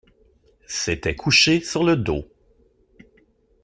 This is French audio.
C’était couché sur le dos.